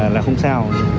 là không sao